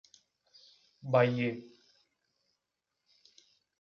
Bayeux